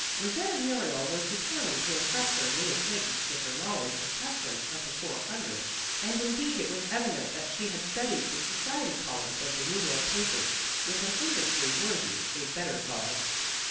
Rosetta Muriel was determined to impress her new acquaintances with her knowledge of customs of the Four Hundred, and indeed it was evident that she had studied the society columns of the New York papers, with an industry worthy a better cause.